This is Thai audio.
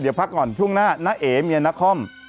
ช่วงหน้าน่ะน่าเอเมียน่าคอม